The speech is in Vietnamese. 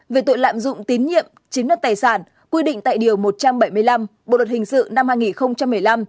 về tội lạm dụng tín nhiệm chiếm đất tài sản quy định tại điều một trăm bảy mươi năm bộ luật hình sự năm hai nghìn một mươi năm